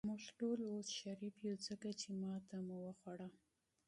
موږ ټول اوس شریف یو، ځکه چې ماته مو وخوړه.